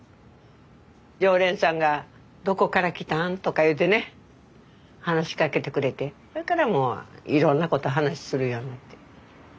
常連さんが「どこから来たん？」とか言うてね話しかけてくれてそれからもういろんなこと話するようになって。